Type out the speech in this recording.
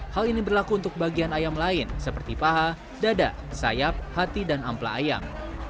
hal ini berlaku untuk bagian ayam lain seperti paha dada sayap hati dan ampla ayam